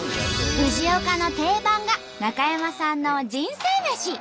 藤岡の定番が中山さんの人生めし！